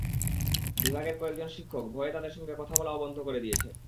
বিভাগের কয়েকজন শিক্ষক ভয়ে তাঁদের সঙ্গে কথা বলাও বন্ধ করে দিয়েছেন।